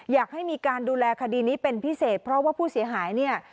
อยากให้มีการดูแลคดีนี้เป็นพิเศษเพราะว่าผู้เสียหายเนี่ย